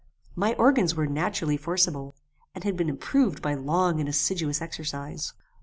My organs were naturally forcible, and had been improved by long and assiduous exercise.